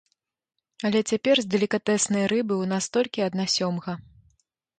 Але цяпер з далікатэснай рыбы ў нас толькі адна сёмга.